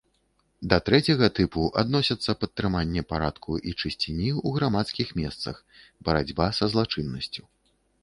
Да трэцяга тыпу адносіцца падтрыманне парадку і чысціні ў грамадскіх месцах, барацьба са злачыннасцю.